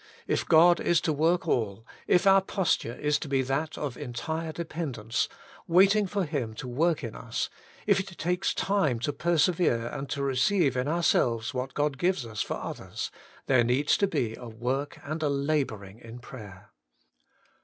If God is to work all ; if our posture is to be that of entire dependence, waiting for Him to work in us ; if it takes time to per severe and to receive in ourselves what God gives us for others ; there needs to be a work and a labouring in prayer.